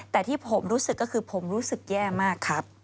แต่ที่ผมรู้สึกก็คือผมรู้สึกแย่มากครับ